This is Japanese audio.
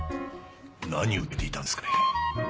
何を訴えていたんですかね